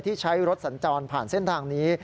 ใช้รถสัญจรผ่านเส้นทางนี้